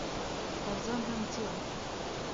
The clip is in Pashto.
تر ځان هم زيات!